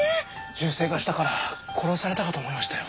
銃声がしたから殺されたかと思いましたよ。